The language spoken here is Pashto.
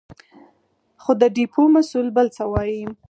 خو د ډېپو مسوول بل څه وايې.